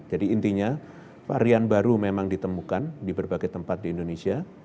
jadi intinya varian baru memang ditemukan di berbagai tempat di indonesia